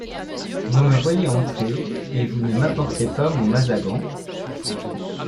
Vous me voyez entrer et vous ne m’apportez pas mon mazagran. ..